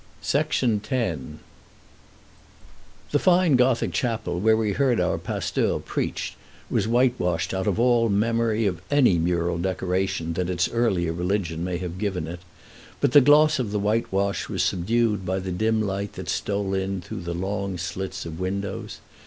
X The fine Gothic chapel where we heard our pasteur preach was whitewashed out of all memory of any mural decoration that its earlier religion may have given it; but the gloss of the whitewash was subdued by the dim light that stole in through the long slits of windows.